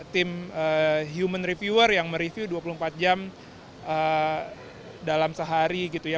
tim human reviewer yang mereview dua puluh empat jam dalam sehari gitu ya